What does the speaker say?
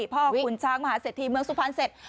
พ่อขุนช้างมหาเสธที่เมืองสุภัณฑ์เสร็จ